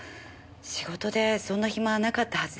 仕事でそんな暇はなかったはずです。